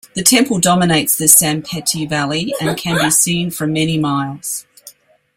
The temple dominates the Sanpete Valley, and can be seen from many miles.